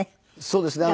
そうですね。